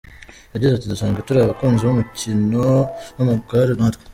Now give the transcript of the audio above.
Yagize ati “Dusanzwe turi abakunzi b’umukino w’amagare natwe.